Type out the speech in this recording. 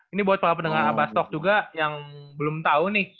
ini buat para pendengar abah stok juga yang belum tahu nih